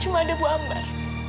cuma ada ibu ambar